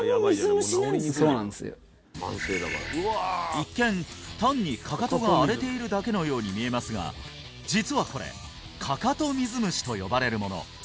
一見単にかかとが荒れているだけのように見えますが実はこれかかと水虫と呼ばれるもの